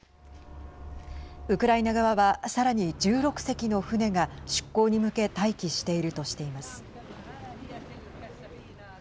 ウクライナ側はさらに１６隻の船が出港に向け待機しているとしています。